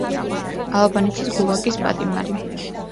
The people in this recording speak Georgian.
ალბანეთის გულაგის პატიმარი.